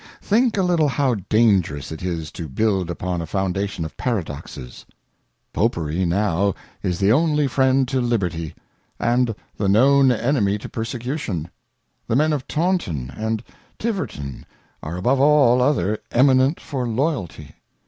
Think a little how dangerous it is to build upo n a Foundatio n of Paradoxes. Popery now is the only Friend to Liberiy :; and the known Enemy^ to Persecutw^ The Men of Taunton and Tiverton, are above all other Eminent for Loyalty.